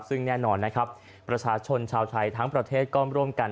ซึ่งแน่นอนนะครับประชาชนชาวไทยทั้งประเทศก็ร่วมกัน